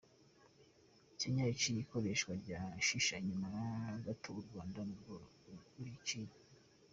Kenya iciye ikoreshwa rya Shisha nyuma gato u Rwanda narwo ruyiciye.